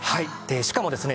しかもですね